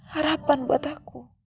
harapan buat aku